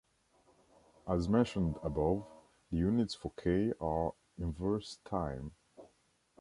As mentioned above, the units for k are inverse time.